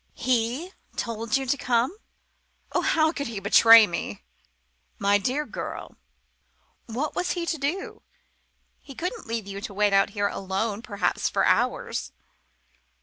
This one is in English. "He told you to come? Oh, how could he betray me!" "My dear girl, what was he to do? He couldn't leave you to wait out here alone perhaps for hours."